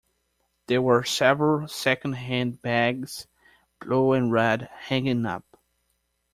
There were several second-hand bags, blue and red, hanging up.